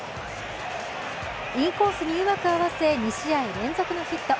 インコースにうまく合わせ２試合連続のヒット。